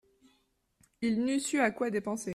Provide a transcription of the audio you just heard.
Il n'eût su à quoi dépenser.